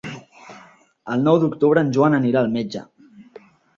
El nou d'octubre en Joan anirà al metge.